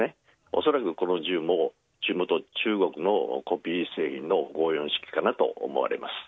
恐らくこの銃も中国のコピー製品の５４式かと思われます。